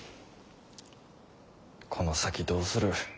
この先どうする？